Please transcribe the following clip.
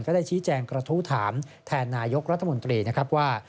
ได้ชี้แจงกระทู้ถามแทนนายกรัฐมนตรีนะครับว่า